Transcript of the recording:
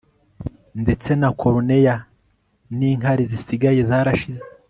Ndetse na cornea ninkari zisigaye zarashize